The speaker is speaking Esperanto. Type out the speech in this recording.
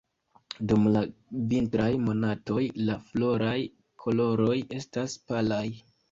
Dum la vintraj monatoj, la floraj koloroj estas palaj.